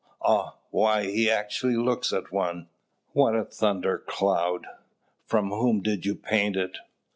Ah! why, he actually looks at one! What a thunder cloud! From whom did you paint it?"